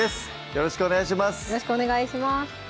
よろしくお願いします